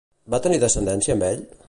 Va tenir descendència amb ell?